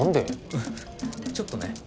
うんちょっとね